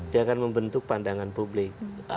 dia akan membentuk pandangan publik